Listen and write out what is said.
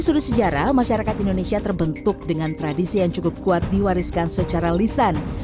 sudut sejarah masyarakat indonesia terbentuk dengan tradisi yang cukup kuat diwariskan secara lisan